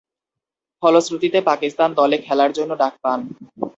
ফলশ্রুতিতে পাকিস্তান দলে খেলার জন্য ডাক পান।